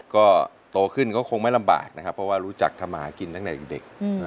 ก็โตขึ้นก็คงไม่ลำบากนะครับเพราะว่ารู้จักทำมาหากินตั้งแต่เด็ก